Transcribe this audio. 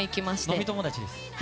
飲み友達です。